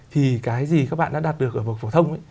thì cái gì các bạn đã đạt được ở bậc phổ thông